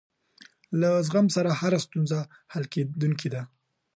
له زغم سره هره ستونزه حل کېدونکې ده.